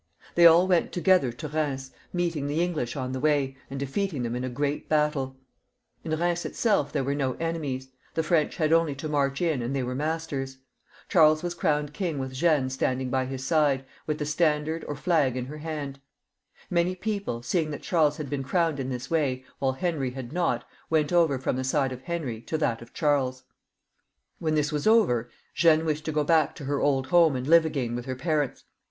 They all went together to Eheims ; meeting the English on the way, and defeating them in a great battle. In Sheims itseU there were no enemies ; the French had only to march in, and they were masters. Charles was crowned king with Jeanne standing by his XXX.] CHARLES VIL 205 side, with the standard or flag which she always carried ii> battle^ instead of a sword, in her hand. Many people, seeing that Charles had been crowned in this way, while Henry had not, went over from the side of Henry to that of Charles. When this was over, Jeanne wished to go back to her old home, and live again with her parents.